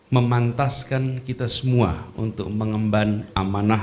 memantaskan kita semua untuk mengemban amanah